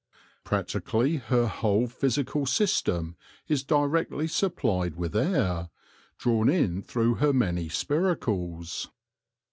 Practically her whole physical system is directly supplied with air, drawn in through her many spiracles.